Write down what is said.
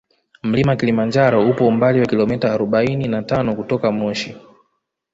Mlima kilimanjaro upo umbali wa kilometa arobaini na tano kutoka moshi